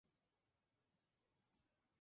Existen montañas vírgenes, no explotadas.